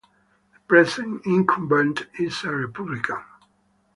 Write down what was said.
The present incumbent is a Republican.